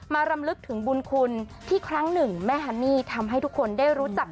รำลึกถึงบุญคุณที่ครั้งหนึ่งแม่ฮันนี่ทำให้ทุกคนได้รู้จัก